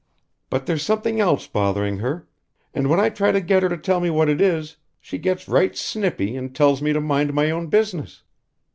But there's something else bothering her. And when I try to get her to tell me what it is, she gets right snippy and tells me to mind my own business.